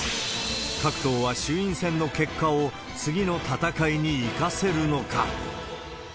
各党は衆院選の結果を次の戦いに生かせるのか。